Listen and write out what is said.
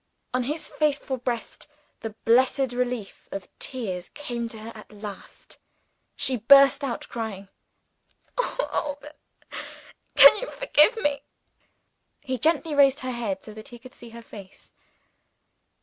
On his faithful breast the blessed relief of tears came to her at last: she burst out crying. "Oh, Alban, can you forgive me?" He gently raised her head, so that he could see her face.